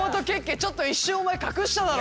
ちょっと一瞬お前隠しただろ。